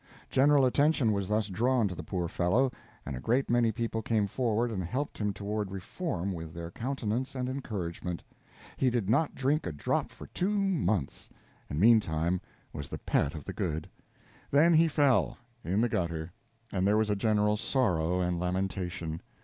General attention was thus drawn to the poor fellow, and a great many people came forward and helped him toward reform with their countenance and encouragement. He did not drink a drop for two months, and meantime was the pet of the good. Then he fell in the gutter; and there was general sorrow and lamentation.